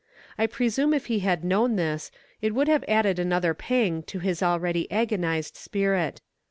I presume if he had known this, it would have added another pang to his already agonized spirit.